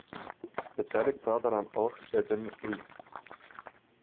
Beteiligt war daran auch Adam Riess.